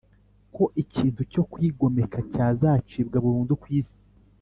Ko ikikintu cyokwigomeka cyazacibwa burundu ku isi